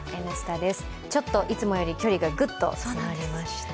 ちょっといつもより、距離がぐっと詰まりました。